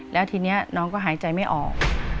แล้วทีนี้น้องก็หายใจไม่ออก